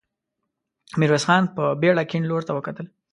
ميرويس خان په بېړه کيڼ لور ته وکتل.